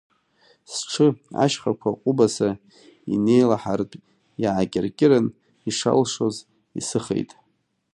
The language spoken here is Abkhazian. Сҽы, ашьхақәа ҟәыбаса инеилаҳартә иаакьыркьырын, ишалшоз исыхеит.